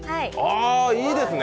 いいですね。